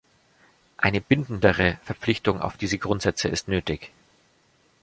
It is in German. Eine bindendere Verpflichtung auf diese Grundsätze ist nötig.